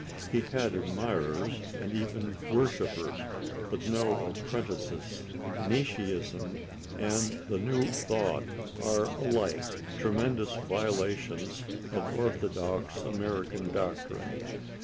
He had admirers and even worshipers, but no apprentices. Nietzscheism and the New Thought are alike tremendous violations of orthodox American doctrine.